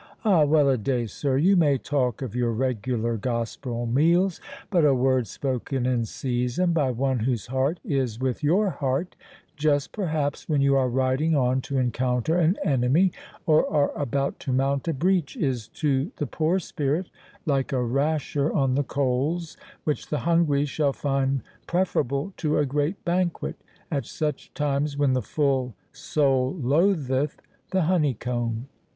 —A well a day, sir, you may talk of your regular gospel meals, but a word spoken in season by one whose heart is with your heart, just perhaps when you are riding on to encounter an enemy, or are about to mount a breach, is to the poor spirit like a rasher on the coals, which the hungry shall find preferable to a great banquet, at such times when the full soul loatheth the honey comb.